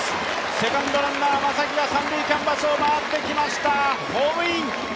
セカンドランナー・正木が三塁キャンバスを回ってきました、ホームイン！